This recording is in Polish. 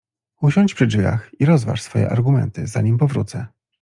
Usiądź przy drzwiach i rozważ swoje argumenty, zanim powrócę.